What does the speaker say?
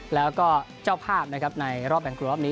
แล้วก็เจ้าภาพนะครับในรอบแบ่งกลุ่มรอบนี้